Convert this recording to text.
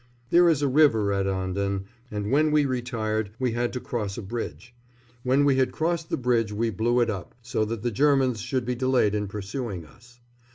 There is a river at Anden, and when we retired we had to cross a bridge. When we had crossed the bridge we blew it up, so that the Germans should be delayed in pursuing us.